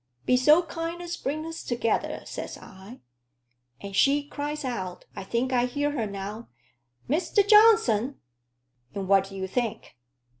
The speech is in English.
'Be so kind as bring us together,' says I. And she cries out I think I hear her now 'Mr. Johnson!' And what do you think?"